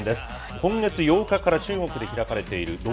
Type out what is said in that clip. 今月８日から中国で開かれている６